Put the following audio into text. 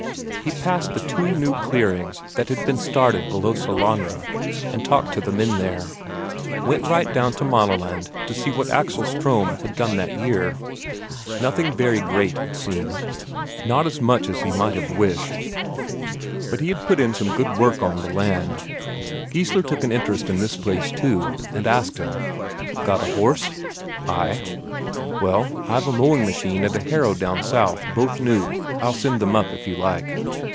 He passed the two new clearings that had been started below Sellanraa, and talked to the men there; went right down to Maaneland to see what Axel Ström had got done that year. Nothing very great, it seemed; not as much as he might have wished, but he had put in some good work on the land. Geissler took an interest in this place, too, and asked him: "Got a horse?" "Ay." "Well, I've a mowing machine and a harrow down south, both new; I'll send them up, if you like."